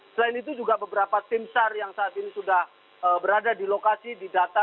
selain itu juga beberapa tim sar yang saat ini sudah berada di lokasi di data